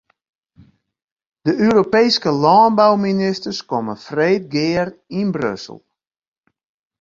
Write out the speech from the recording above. De Europeeske lânbouministers komme freed gear yn Brussel.